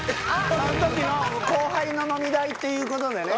その時の後輩の飲み代っていうことでね。